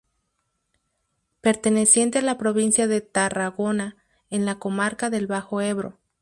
Perteneciente a la provincia de Tarragona, en la comarca del Bajo Ebro.